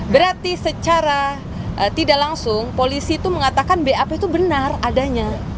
berarti secara tidak langsung polisi itu mengatakan bap itu benar adanya